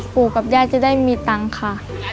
ปู่กับย่าจะได้มีตังค์ค่ะ